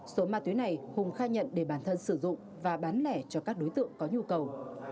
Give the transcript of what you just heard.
số ma túy này hùng khai nhận để bản thân sử dụng và bán lẻ cho các đối tượng có nhu cầu